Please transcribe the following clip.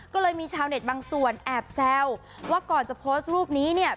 ก็เลยมีชาวเน็ตบางส่วนแอบแซวว่าก่อนจะโพสต์รูปนี้เนี่ย